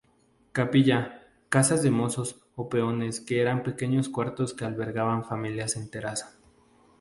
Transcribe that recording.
Capilla, casas de mozos o peones que eran pequeños cuartos que albergaban familias enteras.